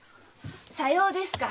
さようですか。